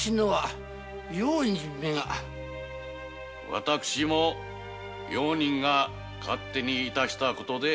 私も用人が勝手にいたした事で。